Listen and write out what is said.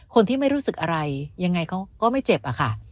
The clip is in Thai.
คนที่ไม่รู้สึกอะไรยังไงเขาก็ไม่เจ็บอะค่ะ